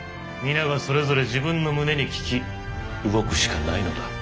皆がそれぞれ自分の胸に聞き動くしかないのだ。